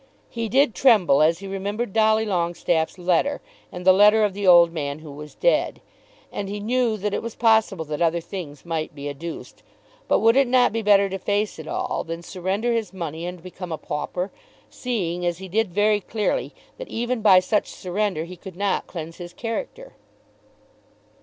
He did tremble as he remembered Dolly Longestaffe's letter, and the letter of the old man who was dead. And he knew that it was possible that other things might be adduced; but would it not be better to face it all than surrender his money and become a pauper, seeing, as he did very clearly, that even by such surrender he could not cleanse his character?